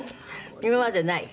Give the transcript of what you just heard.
今までない？